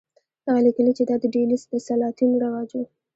هغه لیکي چې دا د ډیلي د سلاطینو رواج و.